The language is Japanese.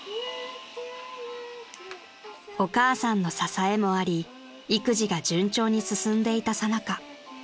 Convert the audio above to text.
［お母さんの支えもあり育児が順調に進んでいたさなか］